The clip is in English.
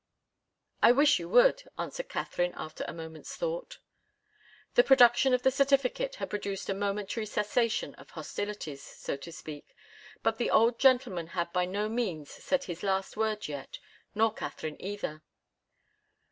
"I wish you would," answered Katharine, after a moment's thought. The production of the certificate had produced a momentary cessation of hostilities, so to speak, but the old gentleman had by no means said his last word yet, nor Katharine either.